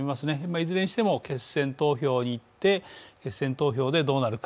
いずれにしても、決選投票に行って決選投票でどうなるか。